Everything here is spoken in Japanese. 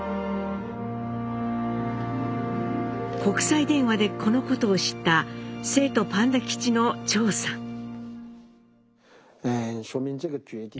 国際電話でこのことを知った成都パンダ基地の張さん。